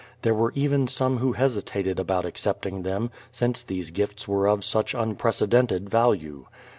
There were even some who hesitated about accepting them, since these gifts were of such unprecedented value.